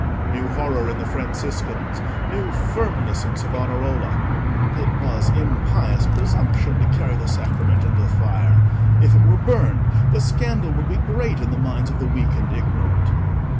New horror in the Franciscans; new firmness in Savonarola. "It was impious presumption to carry the Sacrament into the fire: if it were burned the scandal would be great in the minds of the weak and ignorant."